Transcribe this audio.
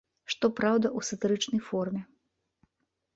Што праўда, у сатырычнай форме.